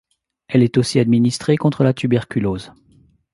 Elle est aussi administrée contre la tuberculose.